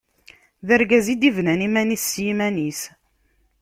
D argaz i d-yebnan iman-is s yiman-is.